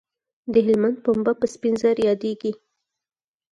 د هلمند پنبه په سپین زر یادیږي